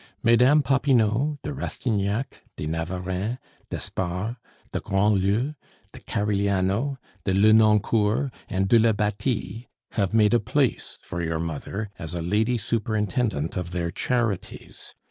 Mesdames Popinot, de Rastignac, de Navarreins, d'Espard, de Grandlieu, de Carigliano, de Lenoncourt, and de la Batie have made a place for your mother as a Lady Superintendent of their charities.